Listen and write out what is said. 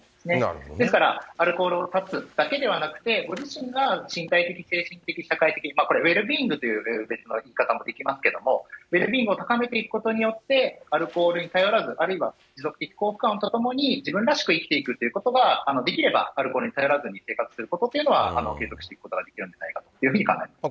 ですから、アルコールを断つだけではなくて、ご自身が身体的、精神的、社会的、これ、ウェルビーイングという別の言い方もできますけれども、ウェルビーイングを高めていくことによって、アルコールに頼らず、あるいは、持続的幸福感とともに自分らしく生きていくということができれば、アルコールに頼らずに生活することというのは、継続していくことができるんじゃないかというふうに考えます。